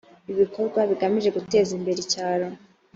ibikorwa bigamije guteza imbere icyaro